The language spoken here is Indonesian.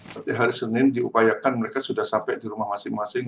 tapi hari senin diupayakan mereka sudah sampai di rumah masing masing